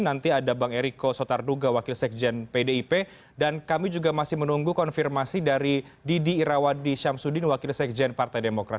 nanti ada bang eriko sotarduga wakil sekjen pdip dan kami juga masih menunggu konfirmasi dari didi irawadi syamsuddin wakil sekjen partai demokrat